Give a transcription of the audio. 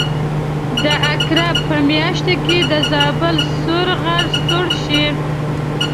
د عقرب په میاشت کې د زابل سور غر سوړ شي.